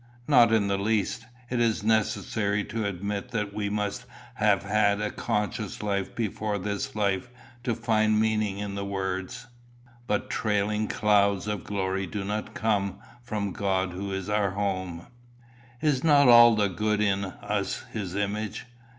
"Not in the least. Is it necessary to admit that we must have had a conscious life before this life to find meaning in the words, 'But trailing clouds of glory do we come From God who is our home'? Is not all the good in us his image?